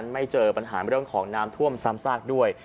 ไม่เจอปัญหาเรื่องของน้ำท่วมซ้ำซากด้วย